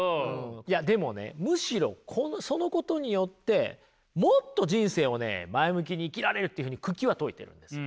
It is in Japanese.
いやでもねむしろそのことによってもっと人生をね前向きに生きられるっていうふうに九鬼は説いてるんですよ。